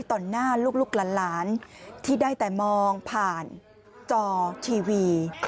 ต่อหน้าลูกหลานที่ได้แต่มองผ่านจอทีวี